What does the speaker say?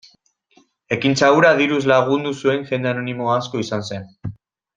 Ekintza hura diruz lagundu zuen jende anonimo asko izan zen.